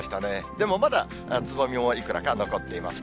でも、まだ、つぼみもいくらか残っています。